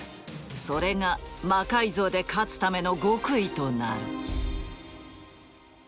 それが「魔改造」で勝つための極意となる。